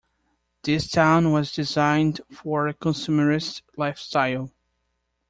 This town was designed for a consumerist lifestyle.